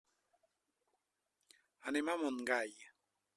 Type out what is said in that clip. Anem a Montgai.